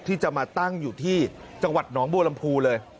ที่จะมาตั้งอยู่ที่จังหวัดหนองบัวลำพูเลย